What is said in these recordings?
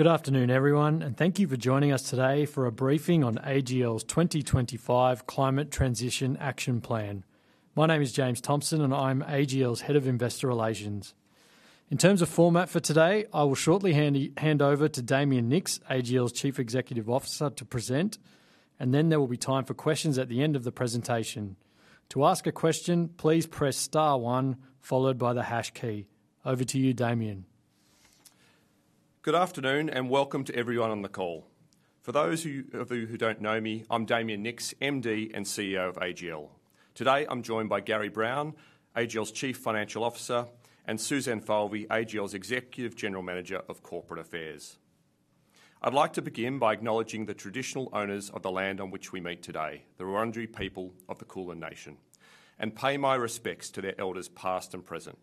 Good afternoon everyone, and thank you for joining us today for a briefing on AGL's 2025 Climate Transition Action Plan. My name is James Thompson, and I'm AGL's Head of Investor Relations. In terms of format for today, I will shortly hand over to Damien Nicks, AGL's Chief Executive Officer, to present, and then there will be time for questions at the end of the presentation. To ask a question, please press star one followed by the hash key. Over to you, Damien. Good afternoon and welcome to everyone on the call. For those of you who don't know me, I'm Damien Nicks, MD, and CEO of AGL. Today I'm joined by Gary Brown, AGL's Chief Financial Officer, and Suzanne Falvy, AGL's Executive General Manager of Corporate Affairs. I'd like to begin by acknowledging the traditional owners of the land on which we meet today, the Wurundjeri people of the Kulin Nation, and pay my respects to their elders, past and present.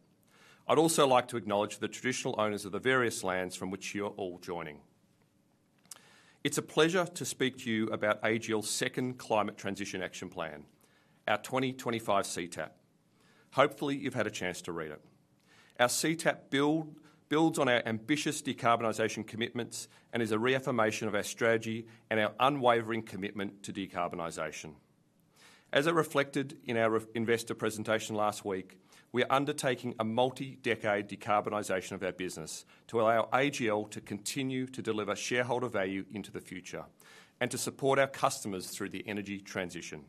I'd also like to acknowledge the traditional owners of the various lands from which you are all joining. It's a pleasure to speak to you about AGL's Second Climate Transition Action Plan, our 2025 CTAP. Hopefully you've had a chance to read it. Our CTAP builds on our ambitious decarbonisation commitments and is a reaffirmation of our strategy and our unwavering commitment to decarbonisation. As I reflected in our investor presentation last week, we are undertaking a multi-decade decarbonisation of our business to allow AGL to continue to deliver shareholder value into the future and to support our customers through the energy transition.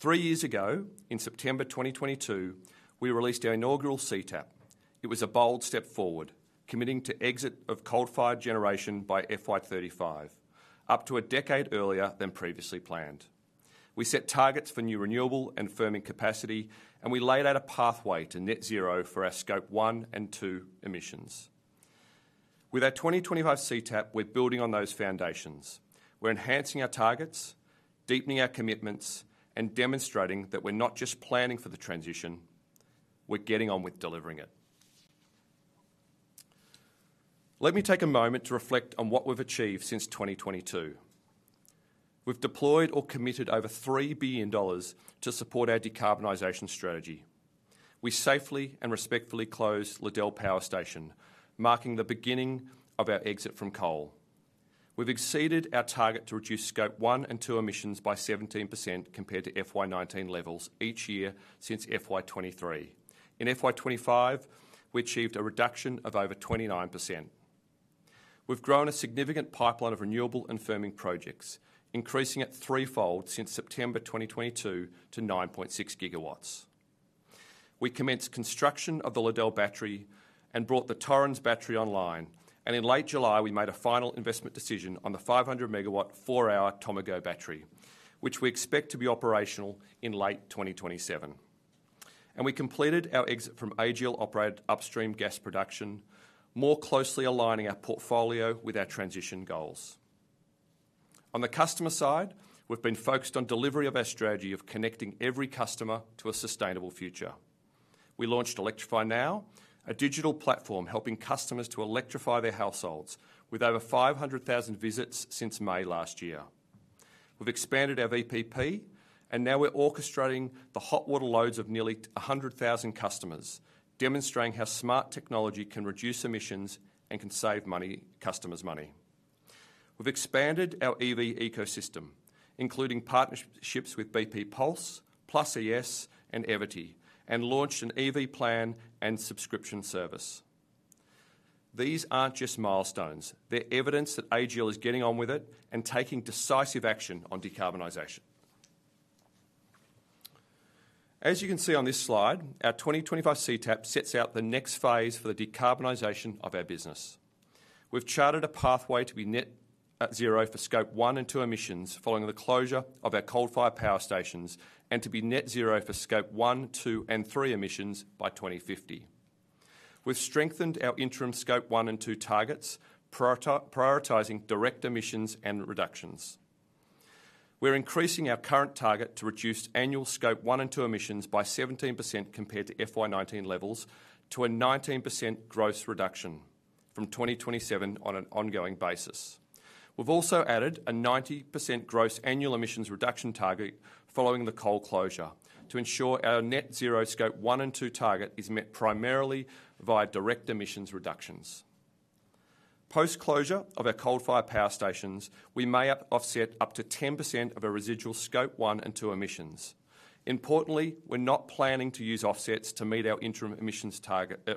Three years ago, in September 2022, we released our inaugural CTAP. It was a bold step forward, committing to exit coal-fired generation by FY 2035, up to a decade earlier than previously planned. We set targets for new renewable and firming capacity, and we laid out a pathway to net zero for our Scope 1 and 2 emissions. With our 2025 CTAP, we're building on those foundations. We're enhancing our targets, deepening our commitments, and demonstrating that we're not just planning for the transition, we're getting on with delivering it. Let me take a moment to reflect on what we've achieved since 2022. We've deployed or committed over 3 billion dollars to support our decarbonisation strategy. We safely and respectfully closed Liddell Power Station, marking the beginning of our exit from coal. We've exceeded our target to reduce Scope 1 and 2 emissions by 17% compared to FY 2019 levels each year since FY 2023. In FY 2025, we achieved a reduction of over 29%. We've grown a significant pipeline of renewable and firming projects, increasing it threefold since September 2022 to 9.6 GW. We commenced construction of the Liddell Battery and brought the Torrens battery online, and in late July we made a final investment decision on the 500 MW 4-hour Tomago Battery, which we expect to be operational in late 2027. We completed our exit from AGL-operated upstream gas production, more closely aligning our portfolio with our transition goals. On the customer side, we've been focused on delivery of our strategy of connecting every customer to a sustainable future. We launched Electrify Now, a digital platform helping customers to electrify their households. With over 500,000 visits since May last year, we've expanded our VPP and now we're orchestrating the hot water loads of nearly 100,000 customers, demonstrating how smart technology can reduce emissions and can save customers money. We've expanded our EV ecosystem, including partnerships with BP Pulse, PLUS ES, and Everty, and launched an EV plan and subscription service. These aren't just milestones, they're evidence that AGL is getting on with it and taking decisive action on decarbonisation. As you can see on this slide, our 2025 CTAP sets out the next phase for the decarbonisation of our business. We've charted a pathway to be net zero for Scope 1 and 2 emissions following the closure of our coal-fired power stations and to be net zero for Scope 1, 2, and 3 emissions by 2050. We've strengthened our interim Scope 1 and 2 targets, prioritising direct emissions and reductions. We're increasing our current target to reduce annual Scope 1 and 2 emissions by 17% compared to FY 2019 levels to a 19% gross reduction from 2027 on an ongoing basis. We've also added a 90% gross annual emissions reduction target following the coal closure to ensure our net zero Scope 1 and 2 target is met primarily via direct emissions reductions. Post closure of our coal-fired power stations, we may offset up to 10% of our residual Scope 1 and 2 emissions. Importantly, we're not planning to use offsets to meet our interim emissions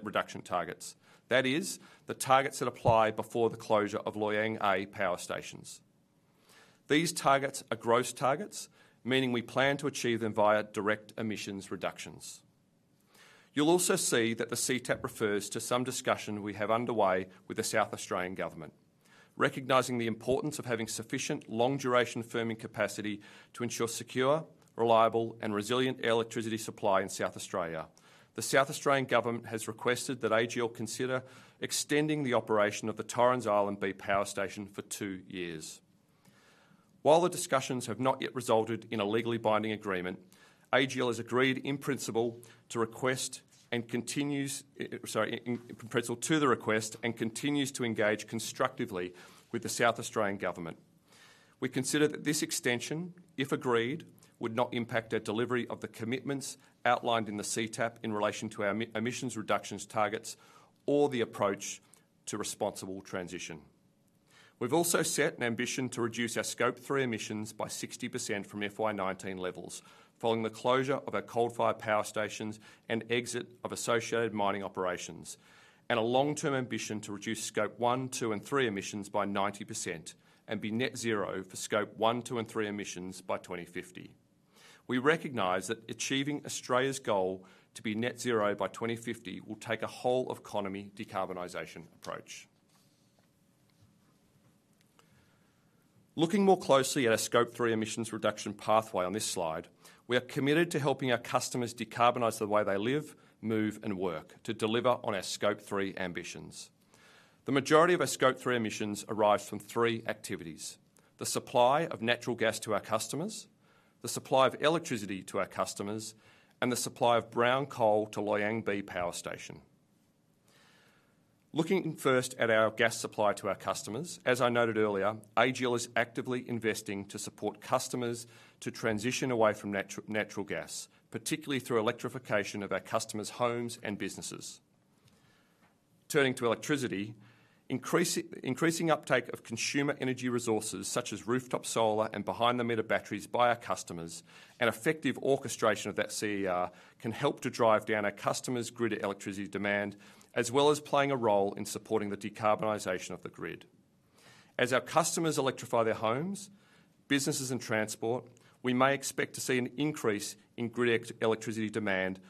reduction targets, that is, the targets that apply before the closure of Loy Yang A power stations. These targets are gross targets, meaning we plan to achieve them via direct emissions reductions. You'll also see that the CTAP refers to some discussion we have underway with the South Australian Government. Recognising the importance of having sufficient long duration firming capacity to ensure secure, reliable, and resilient electricity supply in South Australia, the South Australian Government has requested that AGL consider extending the operation of the Torrens Island B Power Station for two years. While the discussions have not yet resulted in a legally binding agreement, AGL has agreed in principle to the request and continues to engage constructively with the South Australian Government. We consider that this extension, if agreed, would not impact our delivery of the commitments outlined in the CTAP in relation to our emissions reduction targets or the approach to responsible transition. We've also set an ambition to reduce our Scope 3 emissions by 60% from FY 2019 levels following the closure of our coal-fired power stations and exit of associated mining operations, and a long-term ambition to reduce Scope 1, 2, and 3 emissions by 90% and be net zero for Scope 1, 2, and 3 emissions by 2050. We recognize that achieving Australia's goal to be net zero by 2050 will take a whole economy decarbonization approach. Looking more closely at our Scope 3 emissions reduction pathway on this slide, we are committed to helping our customers decarbonize the way they live, move, and work to deliver on our Scope 3 ambitions. The majority of our Scope 3 emissions arise from three activities: the supply of natural gas to our customers, the supply of electricity to our customers, and the supply of brown coal to Loy Yang B Power Station. Looking first at our gas supply to our customers, as I noted earlier, AGL is actively investing to support customers to transition away from natural gas, particularly through electrification of our customers' homes and businesses turning to electricity. Increasing uptake of consumer energy resources such as rooftop solar and behind-the-meter batteries by our customers and effective orchestration of that CER can help to drive down our customers' grid electricity demand as well as playing a role in supporting the decarbonization of the grid. As our customers electrify their homes, businesses, and transport, we may expect to see an increase in grid electricity demand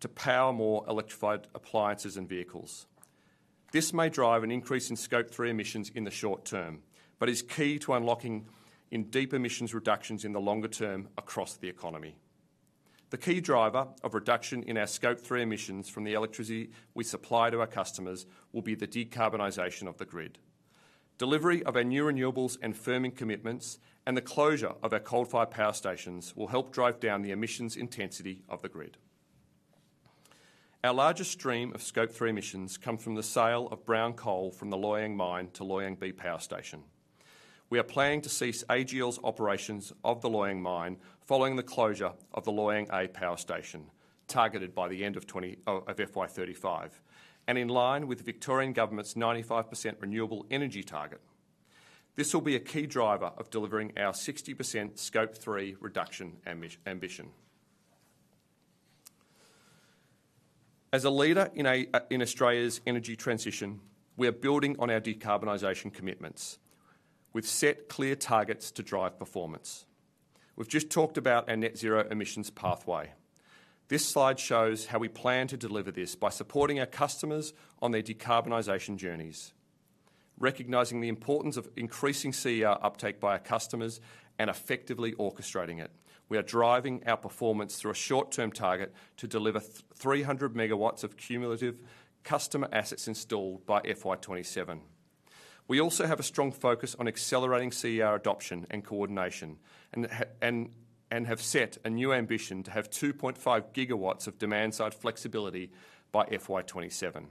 to power more electrified appliances and vehicles. This may drive an increase in Scope 3 emissions in the short term but is key to unlocking deep emissions reductions in the longer term across the economy. The key driver of reduction in our Scope 3 emissions from the electricity we supply to our customers will be the decarbonization of the grid. Delivery of our new renewables and firming commitments and the closure of our coal-fired power stations will help drive down the emissions intensity of the grid. Our largest stream of Scope 3 emissions come from the sale of brown coal from the Loy Yang mine to Loy Yang B Power Station. We are planning to cease AGL's operations of the Loy Yang mine following the closure of the Loy Yang A Power Station targeted by the end of FY 2035, and in line with the Victorian government's 95% renewable energy target, this will be a key driver of delivering our 60% Scope 3 reduction ambition. As a leader in Australia's energy transition, we are building on our decarbonisation commitments. We've set clear targets to drive performance. We've just talked about our net zero emissions pathway. This slide shows how we plan to deliver this by supporting our customers on their decarbonisation journeys. Recognizing the importance of increasing CER uptake by our customers and effectively orchestrating it, we are driving our performance through a short-term target to deliver 300 MW of cumulative customer assets installed by FY 2027. We also have a strong focus on accelerating CER adoption and coordination and have set a new ambition to have 2.5 GW of demand side flexibility by FY 2027.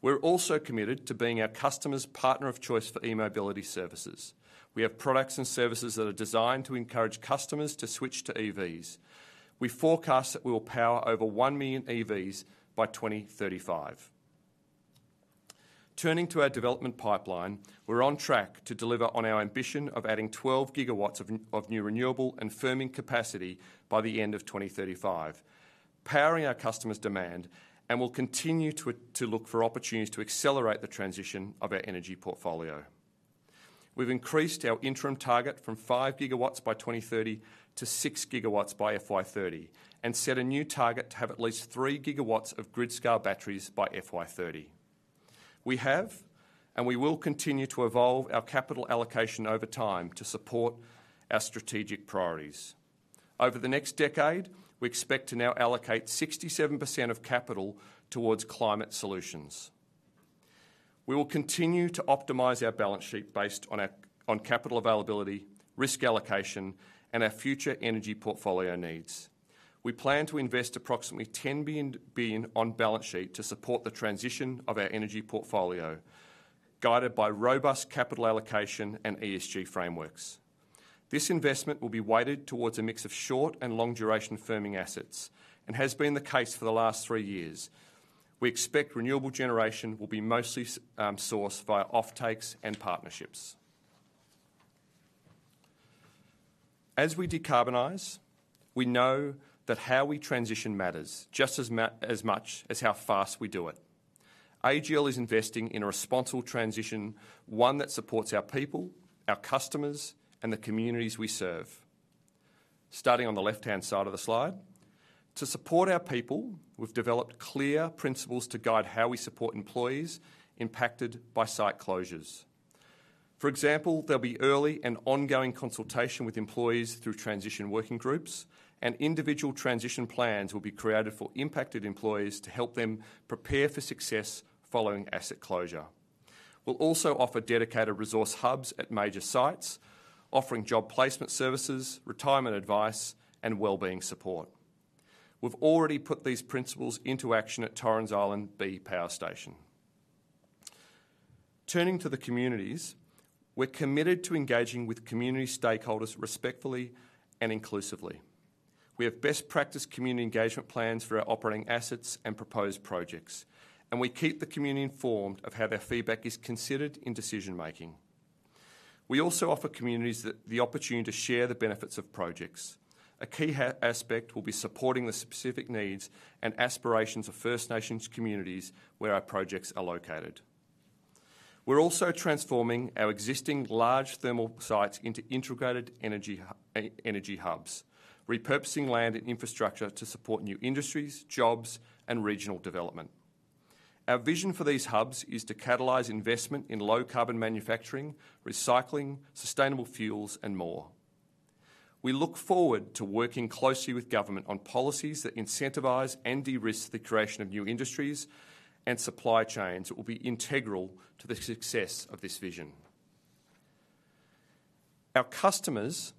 We're also committed to being our customers' partner of choice for E-mobility services. We have products and services that are designed to encourage customers to switch to EVs. We forecast that we will power over 1 million EVs by 2035. Turning to our development pipeline, we're on track to deliver on our ambition of adding 12 GW of new renewable and firming capacity by the end of 2035, powering our customers' demand, and we'll continue to look for opportunities to accelerate the transition of our energy portfolio. We've increased our interim target from 5 GW by 2030 to 6 GW by FY30 and set a new target to have at least 3 gigawatts of grid-scale batteries by FY 2030. We have and we will continue to evolve our capital allocation over time to support our strategic priorities over the next decade. We expect to now allocate 67% of capital towards climate solutions. We will continue to optimize our balance sheet based on capital availability, risk allocation, and our future energy portfolio needs. We plan to invest approximately 10 billion on balance sheet to support the transition of our energy portfolio, guided by robust capital allocation and ESG frameworks. This investment will be weighted towards a mix of short and long duration firming assets and has been the case for the last three years. We expect renewable generation will be mostly sourced via offtakes and partnerships. As we decarbonize, we know that how we transition matters just as much as how fast we do it. AGL is investing in a responsible transition, one that supports our people, our customers, and the communities we serve. Starting on the left-hand side of the slide, to support our people, we've developed clear principles to guide how we support employees impacted by site closures. For example, there'll be early and ongoing consultation with employees through transition. Working groups and individual transition plans will be created for impacted employees to help them prepare for success following asset closure. We'll also offer dedicated resource hubs at major sites, offering job placement services, retirement advice, and wellbeing support. We've already put these principles into action at Torrens Island B Power Station. Turning to the communities, we're committed to engaging with community stakeholders respectfully and inclusively. We have best practice community engagement plans for our operating assets and proposed projects, and we keep the community informed of how their feedback is considered in decision-making. We also offer communities the opportunity to share the benefits of projects. A key aspect will be supporting the specific needs and aspirations of First Nations communities where our projects are located. We're also transforming our existing large thermal sites into integrated energy hubs, repurposing land and infrastructure to support new industries, jobs, and regional development. Our vision for these hubs is to catalyze investment in low carbon manufacturing, recycling, sustainable fuels, and more. We look forward to working closely with government on policies that incentivize and de-risk the creation of new industries and supply chains that will be integral to the success of this vision. Our customers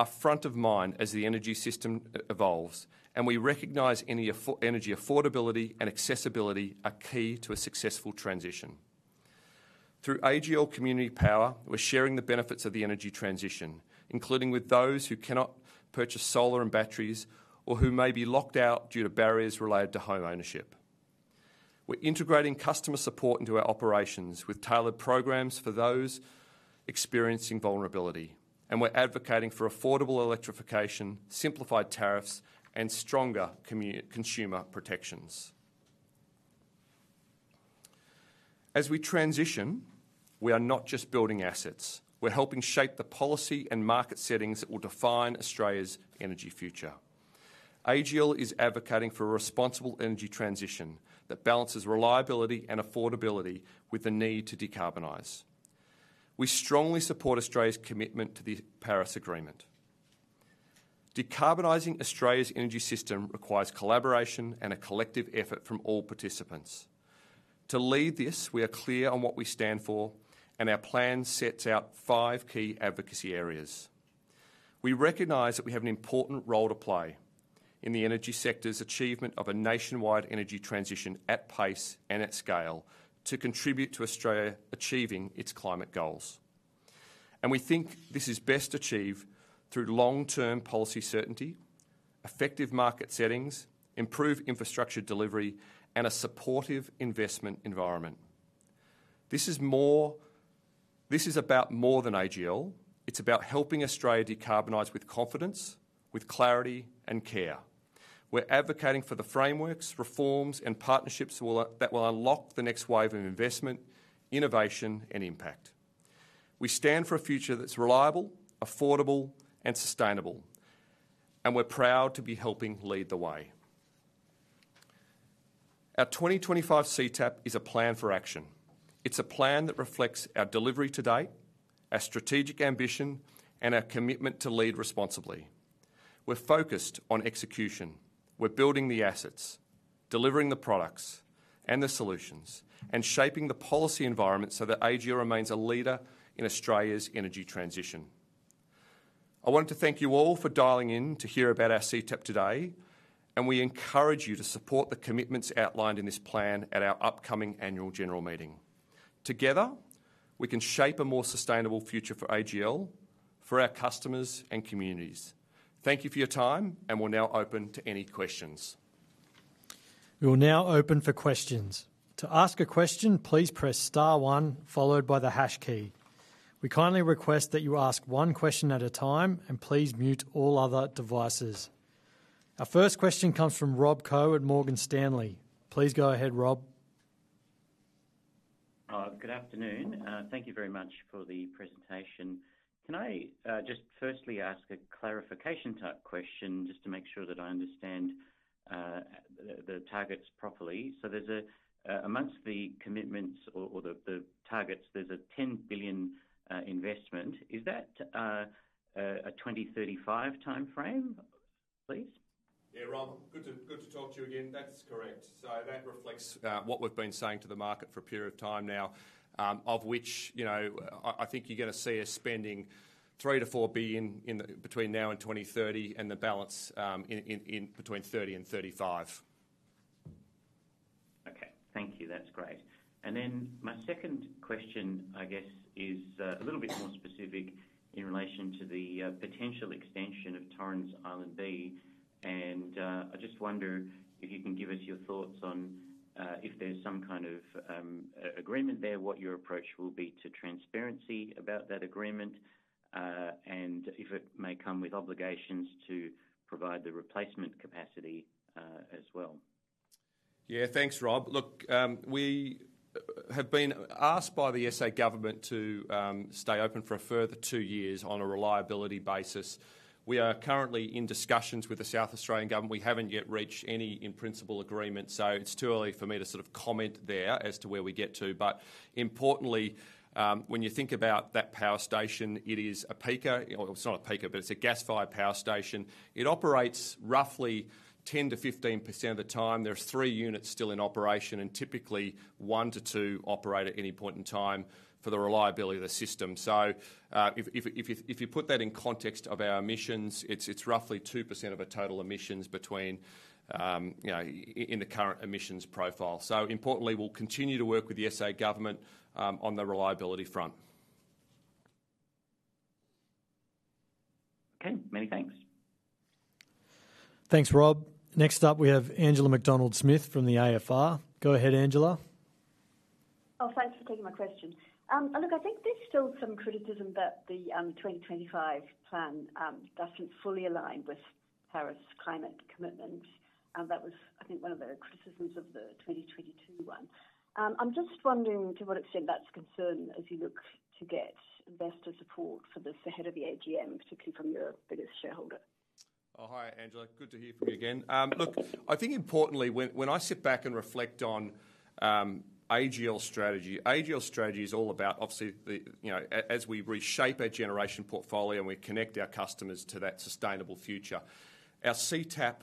are front of mind as the energy system evolves, and we recognize energy affordability and accessibility are key to a successful transition. Through AGL Community Power, we're sharing the benefits of the energy transition, including with those who cannot purchase solar and batteries or who may be locked out due to barriers related to home ownership. We're integrating customer support into our operations with tailored programs for those experiencing vulnerability, and we're advocating for affordable electrification, simplified tariffs, and stronger consumer protections. As we transition, we are not just building assets, we're helping shape the policy and market settings that will define Australia's energy future. AGL is advocating for a responsible energy transition that balances reliability and affordability with the need to decarbonize. We strongly support Australia's commitment to the Paris Agreement. Decarbonizing Australia's energy system requires collaboration and a collective effort from all participants to lead this. We are clear on what we stand for and our plan sets out five key advocacy areas. We recognize that we have an important role to play in the energy sector's achievement of a nationwide energy transition at pace and at scale to contribute to Australia achieving its climate goals. We think this is best achieved through long-term policy certainty, effective market settings, improved infrastructure delivery, and a supportive investment environment. This is about more than AGL. It's about helping Australia decarbonize with confidence, with clarity, and care. We're advocating for the frameworks, reforms, and partnerships that will unlock the next wave of investment, innovation, and impact. We stand for a future that's reliable, affordable, and sustainable. We're proud to be helping lead the way. Our 2025 CTAP is a plan for action. It's a plan that reflects our delivery to date, our strategic ambition, and our commitment to lead responsibly. We're focused on execution. We're building the assets, delivering the products and the solutions, and shaping the policy environment so that AGL remains a leader in Australia's energy transition. I want to thank you all for dialing in to hear about our CTAP today and we encourage you to support the commitments outlined in this plan at our upcoming annual general meeting. Together we can shape a more sustainable future for AGL, for our customers, and communities. Thank you for your time and we're now open to any questions. We will now open for questions. To ask a question, please press star one followed by the hash key. We kindly request that you ask one question at a time, and please mute all other devices. Our first question comes from Rob Koh at Morgan Stanley. Please go ahead Rob. Good afternoon. Thank you very much for the presentation. Can I just firstly ask a clarification type question to make sure that I understand the targets properly? There's a, amongst the commitments or the targets, there's a 10 billion investment. Is that a 2035 time frame, please? Yeah. Rob, good to talk to you again. That's correct. That reflects what we've been saying to the market for a period of time now, of which, you know, I think you're going to see us spending 3 billion-4 billion between now and 2030 and the balance between 2030 and 2035. Okay, thank you, that's great. My second question I guess is a little bit more specific in relation to the potential extension of Torrens Island B. I just wonder if you can give us your thoughts on if there's some kind of agreement there, what your approach will be to transparency about that agreement, and if it may come with obligations to provide the replacement capacity as well. Yeah, thanks, Rob. Look, we have been asked by the SA Government to stay open for a further two years on a reliability basis. We are currently in discussions with the South Australian Government. We haven't yet reached any in principle agreement. It's too early for me to sort of comment there as to where we get to. Importantly, when you think about that power station, it is a pica, it's not a pica, but it's a gas-fired power station. It operates roughly 10%-15% of the time. There are three units still in operation and typically one to two operate at any point in time for the reliability of the system. If you put that in context of our emissions, it's roughly 2% of total emissions in the current emissions profile. Importantly, we'll continue to work with the SA Government on the reliability front. Okay, many thanks. Thanks, Rob. Next up we have Angela Macdonald-Smith from the AFR. Go ahead, Angela. Oh, thanks for taking my question. Look, I think there's still some criticism that the 2025 plan doesn't fully align with Paris climate commitments. That was, I think, one of the criticisms of the 2022 one. I'm just wondering to what extent that's a concern as you look to get investor support for the head of the AGM, particularly from your biggest shareholder. Oh, hi Angela, good to hear from you again. Look, I think importantly when I sit back and reflect on AGL strategy, AGL strategy is all about obviously as we reshape our generation portfolio and we connect our customers to that sustainable future, our CTAP.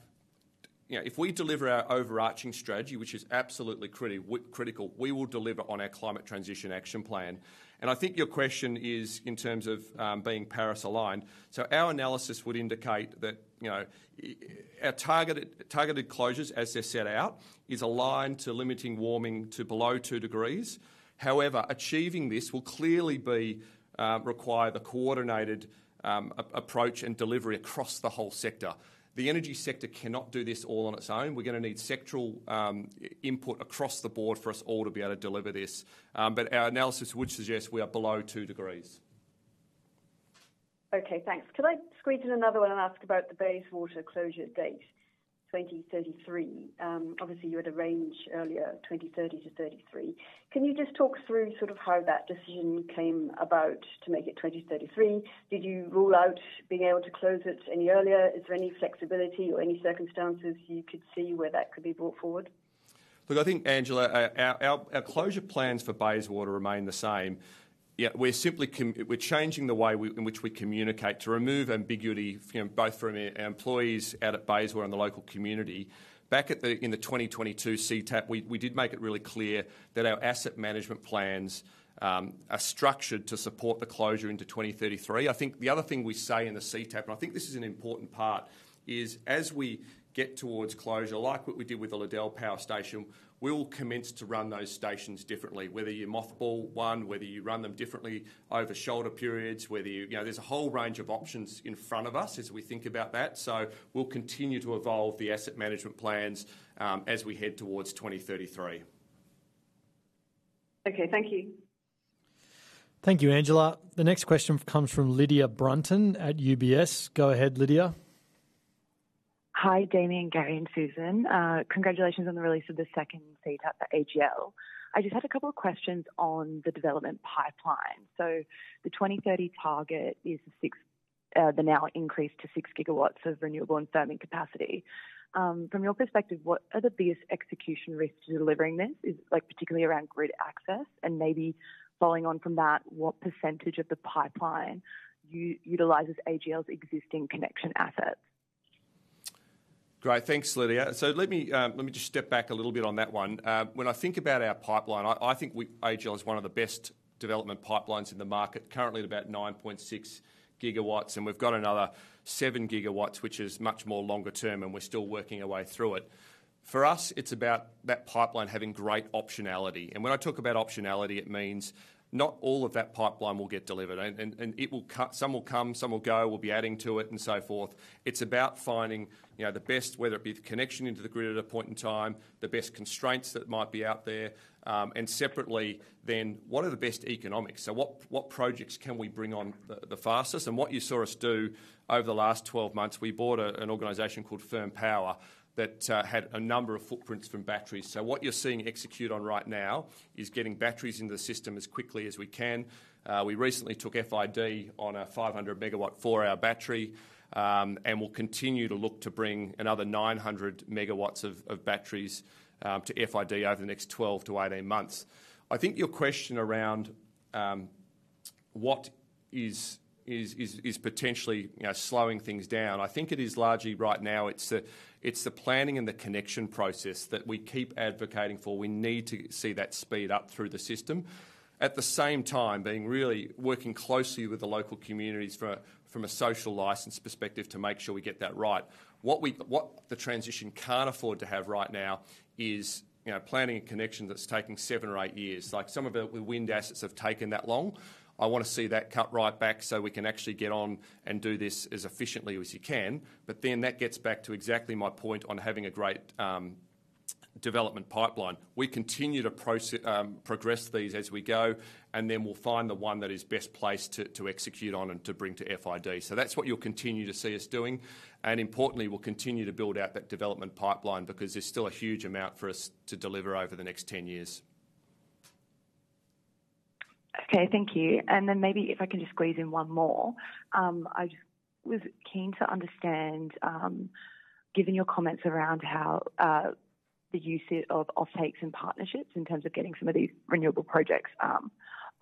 If we deliver our overarching strategy, which is absolutely critical, we will deliver on our Climate Transition Action Plan. I think your question is in terms of being Paris aligned. Our analysis would indicate that our targeted, targeted closures as they're set out is aligned to limiting warming to below 2 degrees. However, achieving this will clearly require a coordinated approach and delivery across the whole sector. The energy sector cannot do this all on its own. We're going to need sectoral input across the board for us all to be able to deliver this. Our analysis would suggest we are below 2 degrees. Okay, thanks. Could I squeeze in another one and ask about the Bayswater closure date, 2033? Obviously, you had a range earlier, 2030-2033. Can you just talk through sort of how that decision came about to make it 2033? Did you rule out being able to close it any earlier? Is there any flexibility or any circumstances you could see where that could be brought forward? Look, I think, Angela, our closure plans for Bayswater remain the same. We're simply changing the way in which we communicate to remove ambiguity both from our employees out at Bayswater and the local community. Back in the 2022 CTAP, we did make it really clear that our asset management plans are structured to support the closure into 2033. I think the other thing we say in the CTAP, and I think this is an important part, is as we get towards closure, like what we did with the Liddell Power Station, we'll commence to run those stations differently, whether you mothball one, whether you run them differently over shoulder period, whether, you know, there's a whole range of options in front of us as we think about that. We'll continue to evolve the asset management plans as we head towards 2033. Okay, thank you. Thank you, Angela. The next question comes from Lydia Brunton at UBS. Go ahead, Lydia. Hi, Damien, Gary, and Suzanne. Congratulations on the release of the second CTAP at AGL. I just had a couple of questions on the development pipeline. The 2030 target is the now increased to 6 GW of renewable and firming capacity. From your perspective, what are the biggest execution risks to delivering this, particularly around grid access? Maybe following on from that, what percentage of the pipeline utilizes AGL's existing connection assets? Great, thanks, Lydia. Let me just step back a little bit on that one. When I think about our pipeline, I think AGL has one of the best development pipelines in the market, currently at about 9.6 GW, and we've got another 7 GW which is much more longer term. We're still working our way through it. For us, it's about that pipeline having great optionality. When I talk about optionality, it means not all of that pipeline will get delivered and some will come, some will go, we'll be adding to it and so forth. It's about finding the best, whether it be the connection into the grid at a point in time, the best constraints that might be out there. Separately, then, what are the best economics. What projects can we bring on the fastest? What you saw us do over the last 12 months, we bought an organization called Firm Power that had a number of footprints from batteries. What you're seeing execute on right now is getting batteries in the system as quickly as we can. We recently took FID on a 500 MW four hour battery, and we'll continue to look to bring another 900 MW of batteries to FID over the next 12 to 18 months. I think your question around what is potentially slowing things down, I think it is largely right now it's the planning and the connection process that we keep advocating for. We need to see that speed up through the system, at the same time being really working closely with the local communities from a social license perspective to make sure we get that right. What the transition can't afford to have right now is planning a connection that's taking seven or eight years, like some of the wind assets have taken that long. I want to see that cut right back so we can actually get on and do this as efficiently as you can. That gets back to exactly my point on having a great development pipeline. We continue to progress these as we go, and then we'll find the one that is best placed to execute on and to bring to FID. That's what you'll continue to see us doing. Importantly, we'll continue to build out that development pipeline because there's still a huge amount for us to deliver over the next 10 years. Okay, thank you. Maybe if I can just squeeze in one more. I just was keen to understand, given your comments around how the use of offtakes and partnerships in terms of getting some of these renewable projects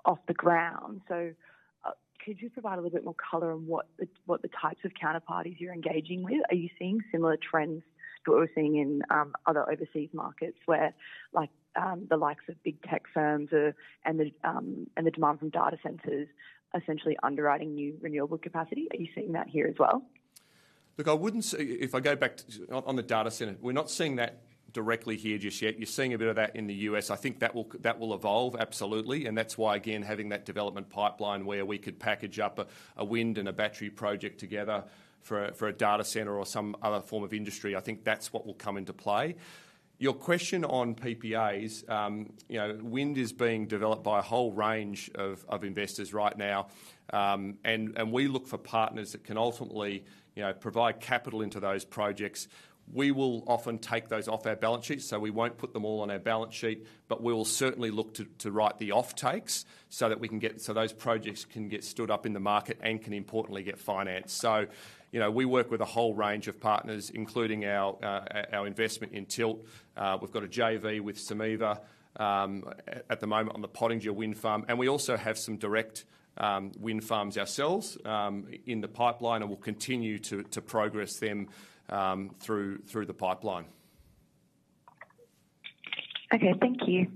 off the ground, could you provide a little bit more color on what the types of counterparties you're engaging with? Are you seeing similar trends to what we're seeing in other overseas markets where the likes of big tech firms and the demand from data centers essentially underwriting new renewable capacity? Are you seeing that here as well? Look, I wouldn't say if I go back on the data center, we're not seeing that directly here just yet. You're seeing a bit of that in the U.S. I think that will evolve. Absolutely. That's why, again, having that development pipeline where we could package up a wind and a battery project together for a data center or some other form of industry, I think that's what will come into play. Your question on PPAs. Wind is being developed by a whole range of investors right now, and we look for partners that can ultimately provide capital into those projects. We will often take those off our balance sheet. We won't put them all on our balance sheet, but we will certainly look to write the offtakes so that those projects can get stood up in the market and can importantly get financed. We work with a whole range of partners, including our investment in Tilt. We've got a JV with Someva, at the moment on the Pottinger Wind Farm, and we also have some direct wind farms ourselves in the pipeline, and we'll continue to progress them through the pipeline. Okay, thank you.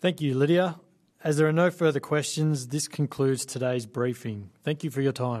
Thank you, Lydia. As there are no further questions, this concludes today's briefing. Thank you for your time.